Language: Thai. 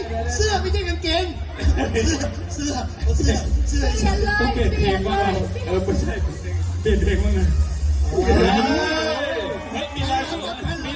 ขอเขียนให้หุ่นกันเย็นคุ้นเลยเนี่ย